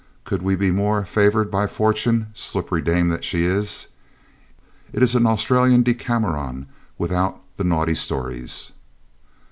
Could we be more favoured by Fortune, slippery dame that she is? It is an Australian Decameron without the naughty stories.'